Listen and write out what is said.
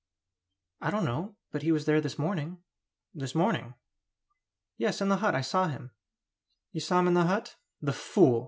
"I don't know; but he was there this morning." "This morning?" "Yes, in the hut. I saw him." "You saw him in the hut? The fool!"